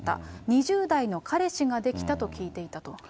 ２０代の彼氏ができたと聞いていたと。